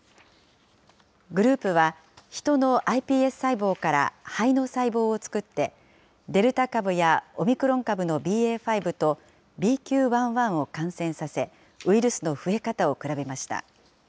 グループは、ヒトのｉＰＳ細胞から肺の細胞を作って、デルタ株やオミクロン株のＢＡ．５とＢＱ．１．１を感染させウイルスの増え方を比べました。